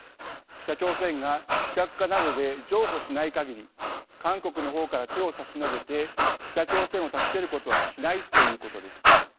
北朝鮮が非核化などで譲歩しない限り韓国の方から手を差し伸べて北朝鮮を助けることはしないということです。